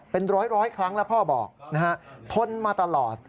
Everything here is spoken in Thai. เป็นร้อยครั้งแล้วพ่อบอกนะฮะทนมาตลอด